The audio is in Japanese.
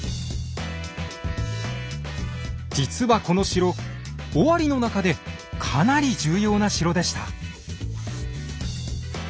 実はこの城尾張の中でかなり重要な城でした。